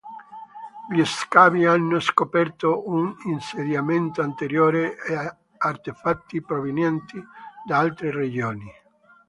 Gli scavi hanno scoperto un insediamento anteriore e artefatti provenienti da altre regioni.